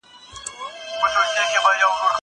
زه به سبا د کتابتون د کار مرسته کوم.